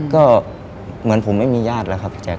ก็เหมือนผมไม่มีญาติแล้วครับพี่แจ๊